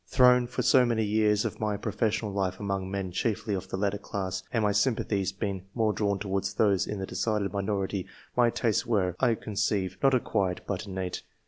Thrown for so many years of my pro fessional life among men chiefly of the latter class, and my sympathies being more drawn towards those in the decided minority, my tastes were, I conceive, not acquired but innate.